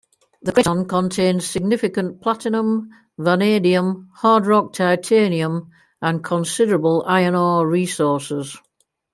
The craton contains significant platinum, vanadium, hard-rock titanium and considerable iron ore resources.